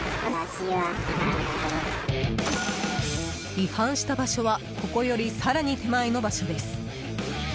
違反した場所はここより更に手前の場所です。